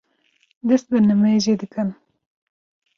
dest bi nimêjê dikin.